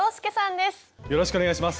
よろしくお願いします。